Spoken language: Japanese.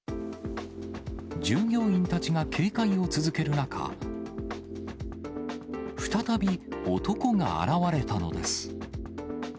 従業員たちが警戒を続ける中、再び男が現れたのです。